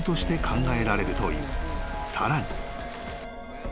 さらに］